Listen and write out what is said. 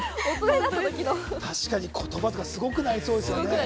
確かに言葉とか、すごくなりそうですね。